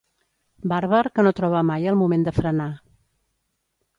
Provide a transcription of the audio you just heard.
Bàrbar que no troba mai el moment de frenar.